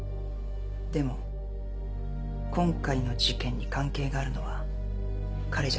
でも今回の事件に関係があるのは彼じゃない。